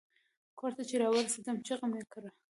کور ته چې را ورسیدم چیغه مې کړه.